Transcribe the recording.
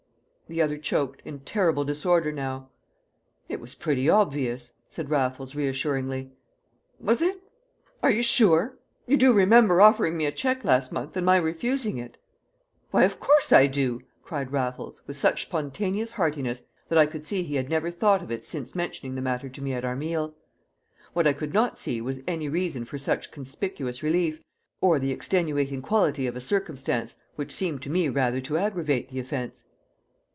the other choked, in terrible disorder now. "It was pretty obvious," said Raffles reassuringly. "Was it? Are you sure? You do remember offering me a cheque last month, and my refusing it?" "Why, of course I do!" cried Raffles, with such spontaneous heartiness that I could see he had never thought of it since mentioning the matter to me at our meal. What I could not see was any reason for such conspicuous relief, or the extenuating quality of a circumstance which seemed to me rather to aggravate the offence.